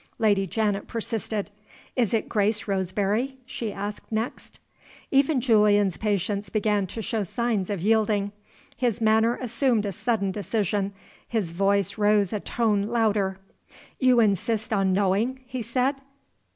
Lady Janet persisted. "Is it Grace Roseberry?" she asked next. Even Julian's patience began to show signs of yielding. His manner assumed a sudden decision, his voice rose a tone louder. "You insist on knowing?" he said.